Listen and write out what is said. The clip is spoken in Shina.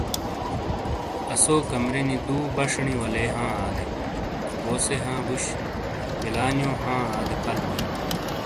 اسو کمرے نی دو باشینی والے ہاں آدے۔ کوسے ہاں بوش ۔بلا نیو ہاں ادے فل بوۓ۔